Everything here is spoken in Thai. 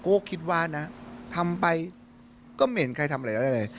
โก้คิดว่านะทำไปก็เหม็นใครทำอะไรอะไร